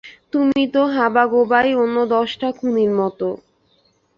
তুমি তো হাবাগোবাই, অন্য দশটা খুনির মতো।